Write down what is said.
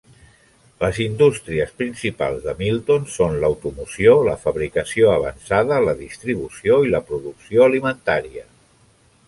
Les indústries principals de Milton són l'automoció, la fabricació avançada, la distribució i la producció alimentària.